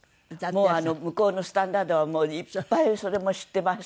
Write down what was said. もう向こうのスタンダードいっぱいそれも知ってます。